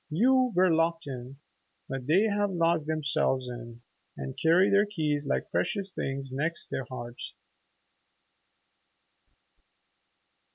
You were locked in, but they have locked themselves in and carry their keys like precious things next their hearts."